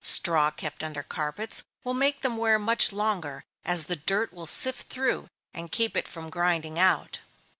Straw kept under carpets, will make them wear much longer, as the dirt will sift through, and keep it from grinding out.